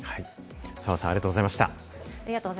澤さん、ありがとうございました。